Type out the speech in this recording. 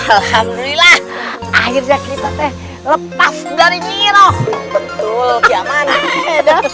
alhamdulillah akhirnya kita teh lepas dari nyiroh